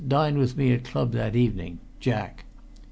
Dine with me at club that evening_ Jack."